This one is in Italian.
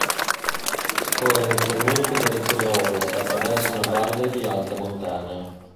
Scorre inizialmente in direzione ovest attraverso una valle di alta montagna.